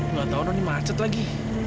enggak tau noni macet lagi